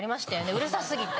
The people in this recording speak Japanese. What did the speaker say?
うるさすぎて。